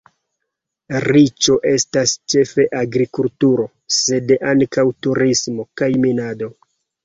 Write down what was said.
Riĉo estas ĉefe agrikulturo, sed ankaŭ turismo kaj minado.